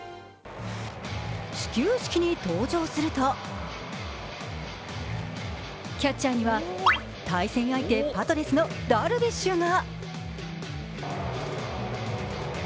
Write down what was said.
始球式に登場するとキャッチャーには対戦相手パドレスのダルビッシュが。